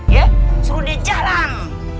ya suruh dia jalan